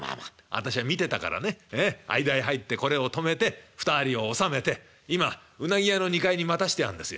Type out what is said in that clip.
私は見てたからね間へ入ってこれを止めて２人を収めて今うなぎ屋の２階に待たしてあるんですよ。